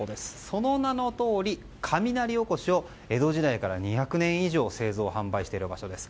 その名のとおり、雷おこしを江戸時代から２００年以上製造・販売している場所です。